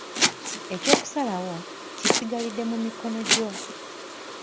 Eky'okusalawo kisigalidde mu mikono gyo.